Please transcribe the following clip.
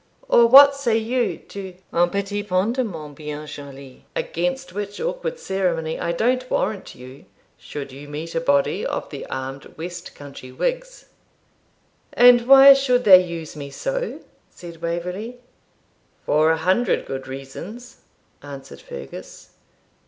Or what say you to un petit pendement bien joli? against which awkward ceremony I don't warrant you, should you meet a body of the armed West Country Whigs.' 'And why should they use me so?' said Waverley. 'For a hundred good reasons,' answered Fergus.